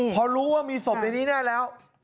พอรู้ว่ามีศพในนี้แน่แล้ว